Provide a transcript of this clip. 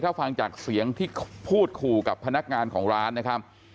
ถ้าฟังจากเสียงที่พูดขู่กับพนักงานของร้านนะครับ